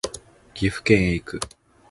岐阜県へ行く